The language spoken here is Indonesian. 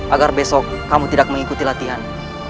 agar besok kamu tidak mengikuti latihan